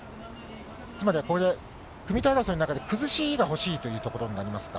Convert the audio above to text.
つまりはこれで、組み手争いの中でくずしが欲しいというところになりますか？